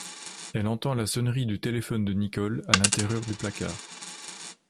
Elle entend la sonnerie du téléphone de Nicole à l'intérieur du placard.